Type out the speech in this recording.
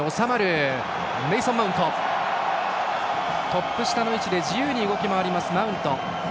トップ下の位置で自由に動き回るマウント。